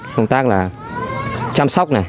công tác chăm sóc